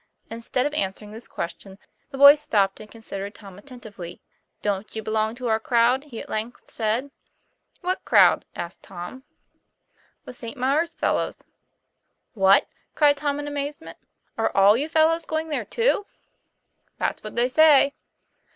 Instead of answering this question, the boy stopped and considered Tom attentively. ' Don't you belong to our crowd?" he at length said. " What crowd ?" asked Tom. 30 TOM PLA YFAfR. "The St. Maure's fellows." 'What!" cried Tom in amazement, "are all you fellows going there too?" "That's what they say."